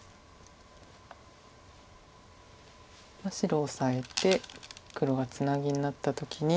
白オサえて黒がツナギになった時に。